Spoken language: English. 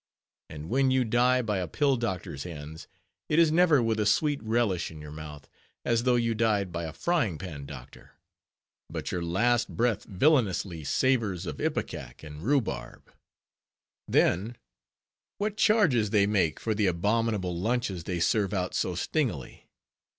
And when you die by a pill doctor's hands, it is never with a sweet relish in your mouth, as though you died by a frying pan doctor; but your last breath villainously savors of ipecac and rhubarb. Then, what charges they make for the abominable lunches they serve out so stingily!